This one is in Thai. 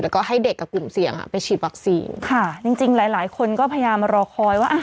แล้วก็ให้เด็กกับกลุ่มเสี่ยงอ่ะไปฉีดวัคซีนค่ะจริงจริงหลายหลายคนก็พยายามมารอคอยว่าอ่ะ